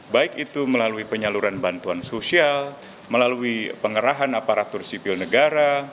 baik itu melalui penyaluran bantuan sosial melalui pengerahan aparatur sipil negara